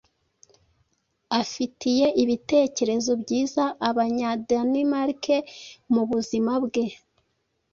afitiye ibitekerezo byiza abanya Danemark mubuzima bwe